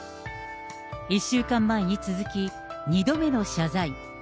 １週間前に続き、２度目の謝罪。